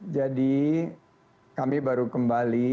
jadi kami baru kembali